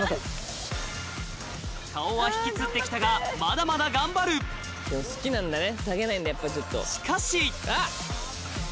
顔はひきつって来たがまだまだ頑張るしかしあぁ！